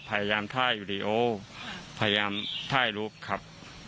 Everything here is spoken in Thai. พยายามท่ายวิดีโอพยายามถ่ายรูปครับ